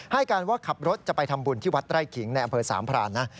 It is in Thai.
ให้การว่าขับรถจะไปทำบุญที่วัดไร่ขิงในอำเภอสามพรานนะ